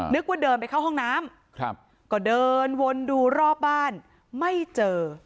นึกว่าเดินไปเข้าห้องน้ำก็เดินวนดูรอบบ้านไม่เจอ